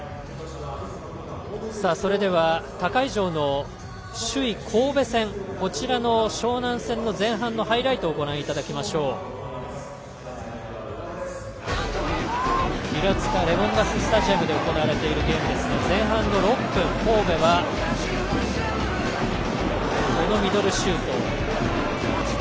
それでは他会場の首位・神戸戦こちらの湘南戦の前半のハイライトをご覧いただきましょう、平塚のレモンガススタジアムで行われてるゲームですが神戸は、このミドルシュート。